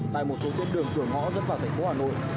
tại một số tuần đường cửa ngõ dẫn vào thành phố hà nội